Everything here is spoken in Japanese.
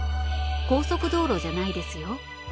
高速道路じゃないですよ。